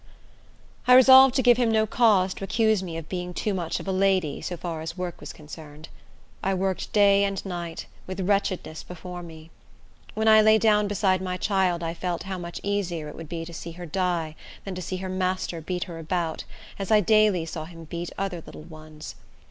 I resolved to give him no cause to accuse me of being too much of a lady, so far as work was concerned. I worked day and night, with wretchedness before me. When I lay down beside my child, I felt how much easier it would be to see her die than to see her master beat her about, as I daily saw him beat other little ones.